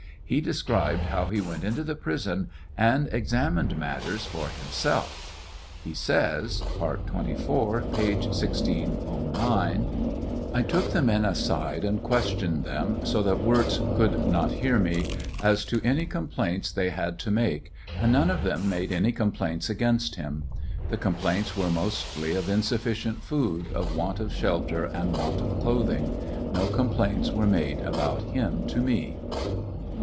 He described how he went into the prison and examined matters for himself. He says, (part 24, p. 1609 :) I took the men aside and questioned them, so that Wirz could not hear me, as to any com plaints they had to make, and none of them made any complaints against him. The com plaints were mostly of insufficient food, of want of shelter, and want of clothing. No com plaints were made about him to me.